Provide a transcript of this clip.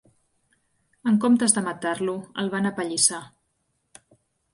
En comptes de matar-lo, el van apallissar.